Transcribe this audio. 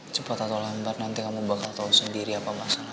cepat atau lambat nanti kamu bakal tahu sendiri apa masalah